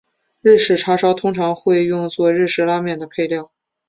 日式叉烧通常会用作日本拉面的配料。